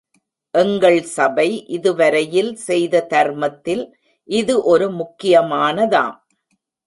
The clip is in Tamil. எங்கள் சபை இதுவரையில் செய்த தர்மத்தில் இது ஒரு முக்கியமானதாம்.